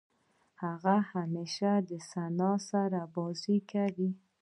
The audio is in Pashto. هغه همېشه د ثنا سره بازۍ کوي.